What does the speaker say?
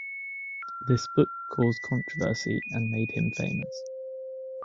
This book caused controversy and made him famous.